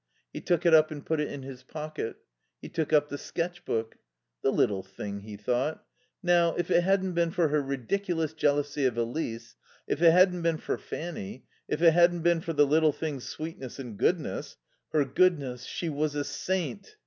He took it up and put it in his pocket. He took up the sketch book. "The little thing," he thought. "Now, if it hadn't been for her ridiculous jealousy of Elise if it hadn't been for Fanny if it hadn't been for the little thing's sweetness and goodness " Her goodness. She was a saint.